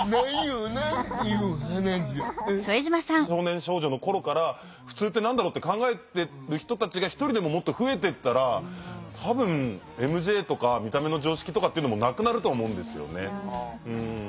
少年少女の頃から普通って何だろうって考えてる人たちが一人でももっと増えてったら多分ＭＪとか見た目の常識とかっていうのもなくなると思うんですよね。